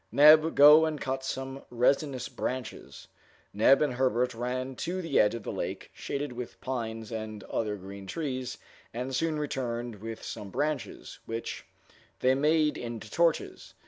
Neb, go and cut some resinous branches." Neb and Herbert ran to the edge of the lake, shaded with pines and other green trees, and soon returned with some branches, which they made into torches.